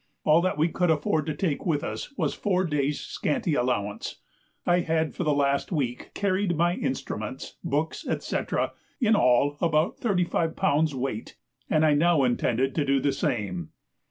All that we could afford to take with us was four days' scanty allowance. I had for the last week carried my instruments, books, &c., in all about thirty five pounds weight; and I now intended to do the same.